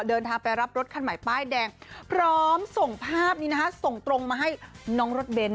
เดินทางไปรับรถคันใหม่ป้ายแดงพร้อมส่งภาพนี้นะคะส่งตรงมาให้น้องรถเบนท